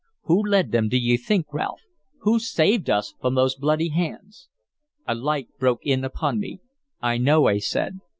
Who led them, d' ye think, Ralph? Who saved us from those bloody hands?" A light broke in upon me. "I know," I said.